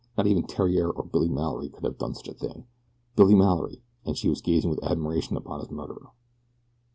Not even Theriere or Billy Mallory could have done such a thing. Billy Mallory! And she was gazing with admiration upon his murderer!